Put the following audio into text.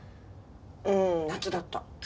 うん夏だった。